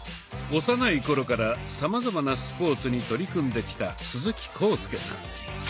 幼い頃からさまざまなスポーツに取り組んできた鈴木浩介さん。